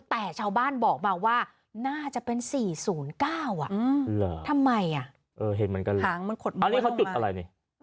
แต่ชาวบ้านบอกมาว่าน่าจะเป็น๔๐๙อ่ะทำไมเออเห็นเหมือนกันหางมันขดบน